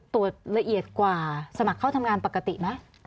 ตรวจละเอียดกว่าสมัครเข้าทำงานปกติไหม